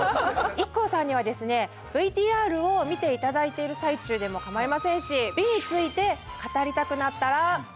ＩＫＫＯさんにはですねＶＴＲを見ていただいている最中でも構いませんし美について語りたくなったら。